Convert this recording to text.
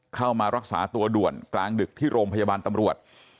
เข้ามารักษาตัวด่วนกลางดึกที่โรงพยาบาลตำรวจ